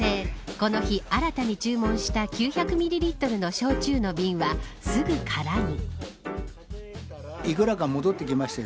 この日、新たに注文した９００ミリリットルの焼酎の瓶はすぐ空に。